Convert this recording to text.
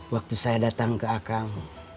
waktu saya datang ke akang